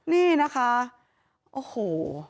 นี่นะคะโอ้โห